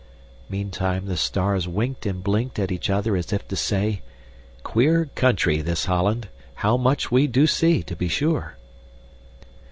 Meantime the stars winked and blinked at each other as if to say, "Queer country, this Holland! How much we do see, to be sure!"